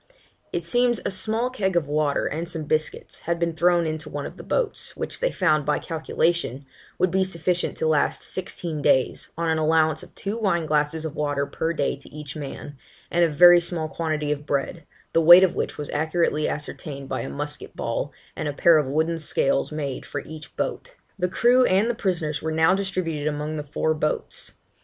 It seems, a small keg of water, and some biscuits, had been thrown into one of the boats, which they found, by calculation, would be sufficient to last sixteen days, on an allowance of two wine glasses of water per day to each man, and a very small quantity of bread, the weight of which was accurately ascertained by a musket ball, and a pair of wooden scales made for each boat. The crew and the prisoners were now distributed among the four boats.